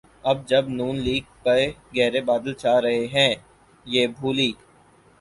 اب جب نون لیگ پہ گہرے بادل چھا رہے ہیں‘ یہ بھولی